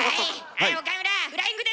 はい岡村フライングで失格！